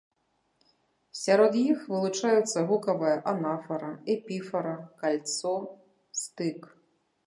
Сярод іх вылучаюцца гукавая анафара, эпіфара, кальцо, стык.